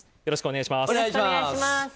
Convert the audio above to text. よろしくお願いします。